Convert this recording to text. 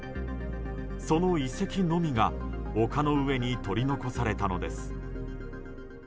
その遺跡のみが丘の上に取り残されたのです。